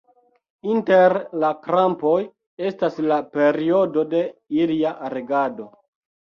Inter la krampoj estas la periodo de ilia regado.